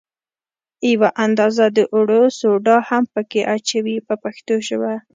یوه اندازه د اوړو سوډا هم په کې اچوي په پښتو ژبه.